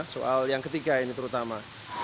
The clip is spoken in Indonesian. soal yang ketiga ini terutama